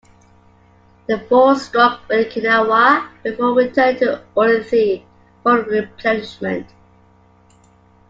The force struck Okinawa before returning to Ulithi for replenishment.